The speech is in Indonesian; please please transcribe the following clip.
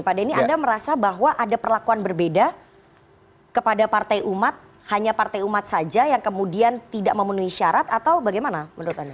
pak denny anda merasa bahwa ada perlakuan berbeda kepada partai umat hanya partai umat saja yang kemudian tidak memenuhi syarat atau bagaimana menurut anda